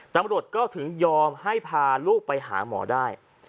ตำรวจก็ถึงยอมให้พาลูกไปหาหมอได้